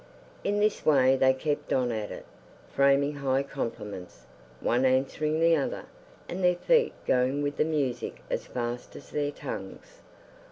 In this way they kept on at it, framing high compliments; one answering the other, and their feet going with the music as fast as their tongues.